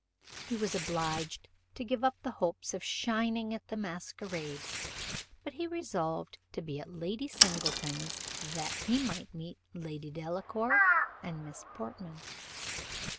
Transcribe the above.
He was obliged to give up the hopes of shining at the masquerade, but he resolved to be at Lady Singleton's that he might meet Lady Delacour and Miss Portman.